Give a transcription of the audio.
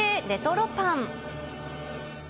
レトロパン。